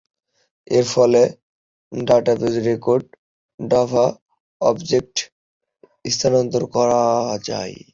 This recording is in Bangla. এর ফলে ডাটাবেস রেকর্ড জাভা অবজেক্টে স্থানান্তর করা যায়।